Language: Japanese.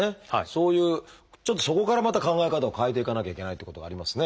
そういうちょっとそこからまた考え方を変えていかなきゃいけないっていうことがありますね。